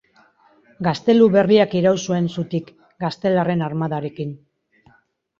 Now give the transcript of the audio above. Gaztelu berriak iraun zuen zutik, gaztelarren armadarekin.